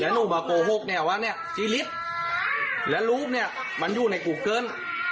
หนูมาโกหกเนี่ยว่าเนี่ยซีลิฟต์และรูปเนี่ยมันอยู่ในกูเกิ้ล